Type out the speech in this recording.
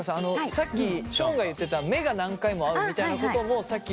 さっきションが言ってた目が何回も合うみたいなこともさっき言った。